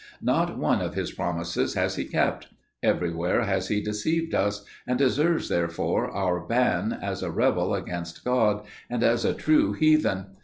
Not one of his promises has he kept; everywhere has he deceived us; and deserves, therefore, our ban, as a rebel against God, and as a true heathen.